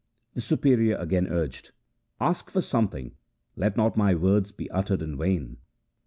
The superior again urged, ' Ask for something. Let not my words be uttered in vain.'